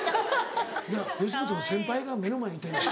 吉本の先輩が目の前にいてんねん。